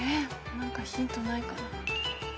何かヒントないかな。